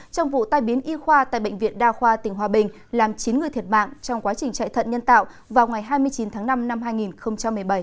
trong vụ tai biến y khoa tại bệnh viện đa khoa tỉnh hòa bình làm chín người thiệt mạng trong quá trình chạy thận nhân tạo vào ngày hai mươi chín tháng năm năm hai nghìn một mươi bảy